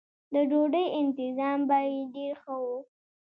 د ډوډۍ انتظام به یې ډېر ښه و.